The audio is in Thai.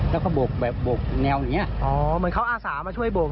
แล้วก็บกแบบบกแนวอย่างเงี้อ๋อเหมือนเขาอาสามาช่วยบก